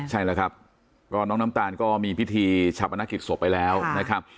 ใช่แล้วครับก็น้องน้ำตาลก็มีพิธีชาปนกิจศพไปแล้วนะครับ